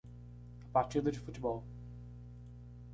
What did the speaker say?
A partida de futebol.